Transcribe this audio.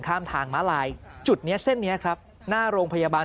ข้ามทางม้าลายจุดนี้เส้นนี้ครับหน้าโรงพยาบาล